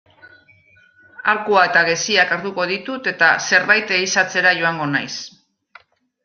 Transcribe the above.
Arkua eta geziak hartuko ditut eta zerbait ehizatzera joango naiz.